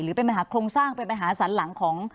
เป็นปัญหาโครงสร้างเป็นปัญหาสันหลังของ